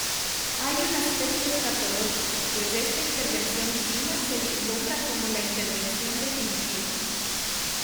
Hay un aspecto escatológico, pues esta intervención divina se vislumbra como la intervención definitiva.